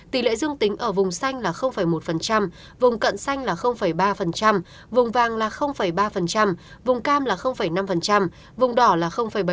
tỷ lệ dương tính ở vùng xanh là một vùng cận xanh là ba vùng vàng là ba vùng cam là năm vùng đỏ là bảy